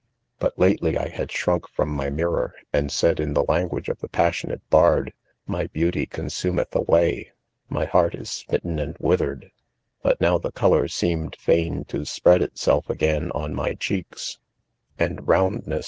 JBut lately I had shrunk hom y my miwm r ■afid said in the lang4iag e^of the passiQhat,e i>ard *—£ my beauty condumeth away ■;— my heart is Smitten' and withered ;' but now .the dolor 16:6 ?*;, 1D0M EN. seemed fain to. spread itself again on my% ■■ cheeks,; *and iroundness